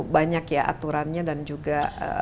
banyak ya aturannya dan juga